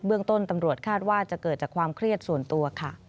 เรื่องต้นตำรวจคาดว่าจะเกิดจากความเครียดส่วนตัวค่ะ